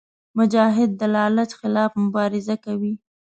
مجاهد د لالچ خلاف مبارزه کوي.